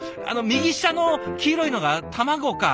右下の黄色いのが卵か。